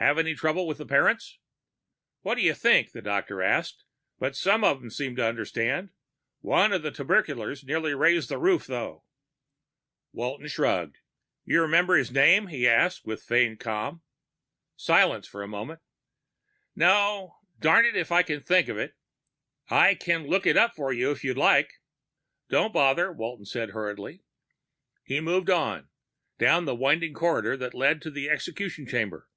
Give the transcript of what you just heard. "Have any trouble with the parents?" "What do you think?" the doctor asked. "But some of them seemed to understand. One of the tuberculars nearly raised the roof, though." Walton shuddered. "You remember his name?" he asked, with feigned calm. Silence for a moment. "No. Darned if I can think of it. I can look it up for you if you like." "Don't bother," Walton said hurriedly. He moved on, down the winding corridor that led to the execution chamber.